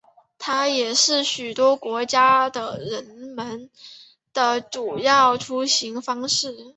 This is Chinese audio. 它也是许多国家的人们的主要出行方式。